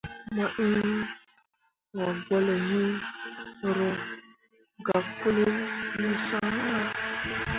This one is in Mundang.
Mo ĩĩ wogalle hĩĩ ro gak pũũlil ne son ah.